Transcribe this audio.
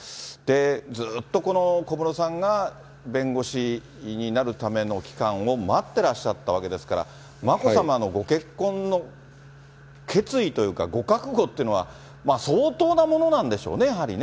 ずーっと小室さんが弁護士になるための期間を待ってらっしゃったわけですから、眞子さまのご結婚の決意というか、ご覚悟っていうのは、相当なものなんでしょうね、やはりね。